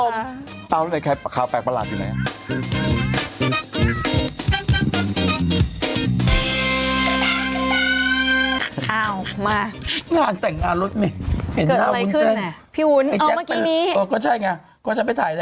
เตาในแคปคาวแปลกประหลาดอยู่ไหน